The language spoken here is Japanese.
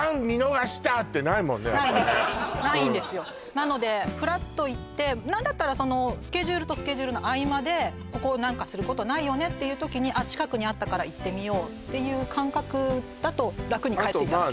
ないですないんですよなのでフラッと行って何だったらスケジュールとスケジュールの合間でここ何かすることないよねっていう時に近くにあったから行ってみようっていう感覚だと楽に帰っていただける